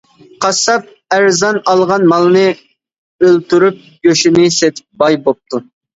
قاسساپ ئەرزان ئالغان مالنى ئۆلتۈرۈپ گۆشىنى سېتىپ باي بوپتۇ.